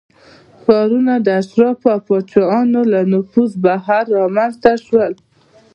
ښارونه د اشرافو او پاچاهانو له نفوذ بهر رامنځته شول